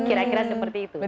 kira kira seperti itu